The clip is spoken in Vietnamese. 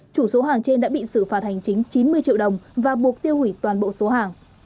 chủ số hàng trên đã bị xử phạt hành chính chín mươi triệu đồng và buộc tiêu hủy toàn bộ số hàng